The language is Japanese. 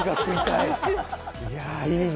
いや、いいね。